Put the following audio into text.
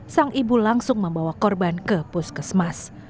sang ibu langsung membawa korban ke puskesmas